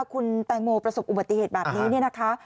คุณแตงโมประสบอุบัติเหตุแบบนี้เนี่ยนะคะ